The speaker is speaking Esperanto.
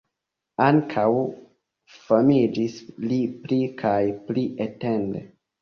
Ankaŭ famiĝis li pli kaj pli etende.